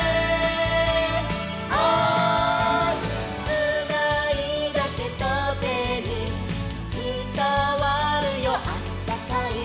「つないだてとてにつたわるよあったかい」